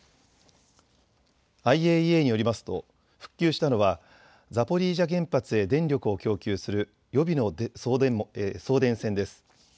ＩＡＥＡによりますと復旧したのはザポリージャ原発へ電力を供給する予備の送電線です。